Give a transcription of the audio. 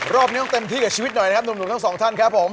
รอบนี้ต้องเต็มที่กับชีวิตหน่อยนะครับหนุ่มทั้งสองท่านครับผม